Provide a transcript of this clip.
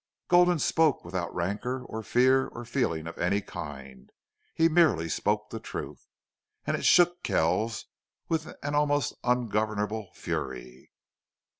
Gulden spoke without rancor or fear or feeling of any kind. He merely spoke the truth. And it shook Kells with an almost ungovernable fury.